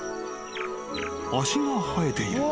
［足が生えている］